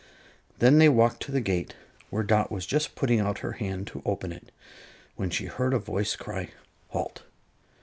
Then they walked to the gate, where Dot was just putting out her hand to open it, when she heard a voice cry: "Halt!"